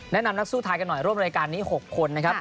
นักสู้ไทยกันหน่อยร่วมรายการนี้๖คนนะครับ